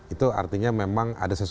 itu artinya memang ada sesuatu